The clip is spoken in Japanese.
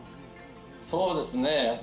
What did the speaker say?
そうですね。